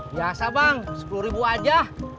biasa bang sepuluh ribu aja